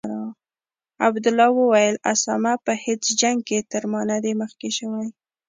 عبدالله وویل: اسامه په هیڅ جنګ کې تر ما نه دی مخکې شوی.